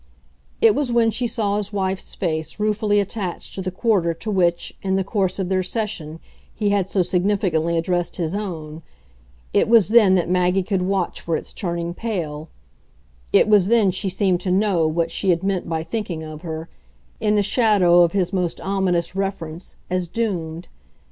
It was when she saw his wife's face ruefully attached to the quarter to which, in the course of their session, he had so significantly addressed his own it was then that Maggie could watch for its turning pale, it was then she seemed to know what she had meant by thinking of her, in she shadow of his most ominous reference, as "doomed."